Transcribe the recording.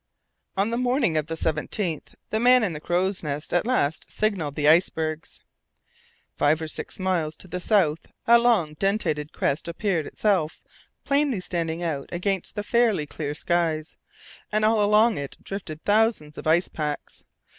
On the morning of the 17th the man in the crow's nest at last signalled the icebergs. Five or six miles to the south a long dentated crest upreared itself, plainly standing out against the fairly clear sky, and all along it drifted thousands of ice packs.